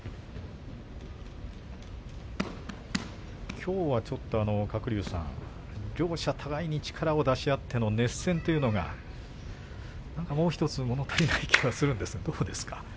きょうは、ちょっと鶴竜さん両者互いに力を出し合っての熱戦というのが何かもうひとつもの足りない気がするんですがどうですか。